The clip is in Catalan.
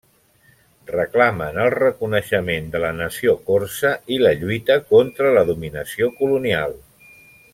Reclamen el reconeixement de la nació corsa i la lluita contra la dominació colonial.